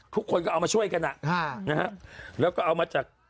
ทุกคนก็เอามาช่วยกันอ่ะค่ะนะฮะแล้วก็เอามาจาก